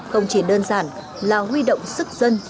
không chỉ đơn giản là huy động sức dân